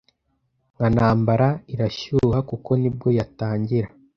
nka ntambara irashyuha kuko nibwo yatangira